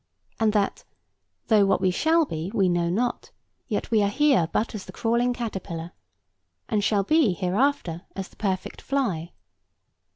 and that, though what we shall be, we know not, yet we are here but as the crawling caterpillar, and shall be hereafter as the perfect fly.